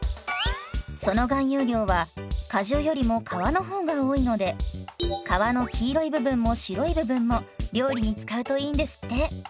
その含有量は果汁よりも皮の方が多いので皮の黄色い部分も白い部分も料理に使うといいんですって。